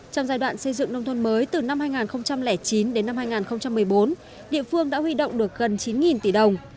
trong giai đoạn xây dựng nông thôn mới từ năm hai nghìn chín đến năm hai nghìn một mươi bốn địa phương đã huy động được gần chín tỷ đồng